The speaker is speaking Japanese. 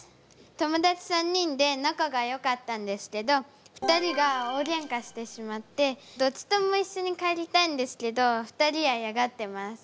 友だち３人で仲がよかったんですけど２人が大げんかしてしまってどっちとも一緒に帰りたいんですけど２人はいやがってます。